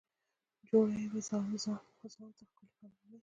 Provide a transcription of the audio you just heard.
جوړه یې وه ځاله ځان ته ښکلې ګلالۍ